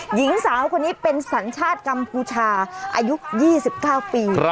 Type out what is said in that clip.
หญิงสาวคนนี้เป็นสัญชาติกัมพูชาอายุ๒๙ปี